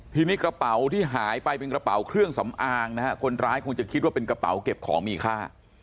ทีนี้กระเป๋าที่หายไปเป็นกระเป๋าเครื่องสำอางนะฮะคนร้ายคงจะคิดว่าเป็นกระเป๋าเก็บของมีค่า